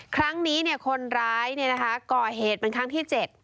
ครั้งนี้คนร้ายก่อเหตุเหตุกันทุกที๗